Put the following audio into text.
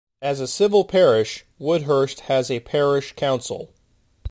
As a civil parish, Woodhurst has a parish council.